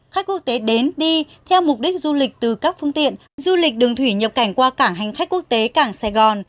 khách quốc tế đến đi theo mục đích du lịch từ các phương tiện du lịch đường thủy nhập cảnh qua cảng hành khách quốc tế cảng sài gòn